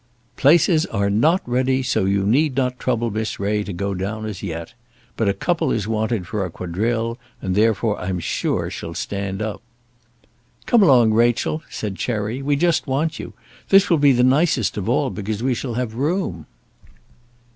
"Places are not ready, so you need not trouble Miss Ray to go down as yet. But a couple is wanted for a quadrille, and therefore I'm sure she'll stand up." "Come along, Rachel," said Cherry. "We just want you. This will be the nicest of all, because we shall have room."